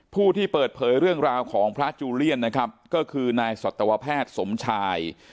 ผู้ที่เปิดเผยเรื่องราวของพระจูเลียนนะครับก็คือนายสัตวแพทย์สมชาย